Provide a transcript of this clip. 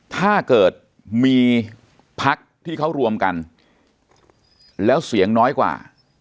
ถ้าเกิดมีพักที่เขารวมกันแล้วเสียงน้อยกว่า